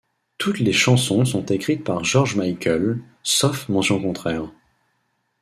Toutes les chansons sont écrites par George Michael, sauf mention contraire.